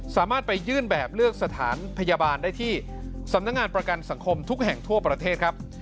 สามารถไปยื่นแบบเลือกสถานพยาบาลได้ที่สำนักงานประกันสังคมทุกแห่งทั่วประเทศครับ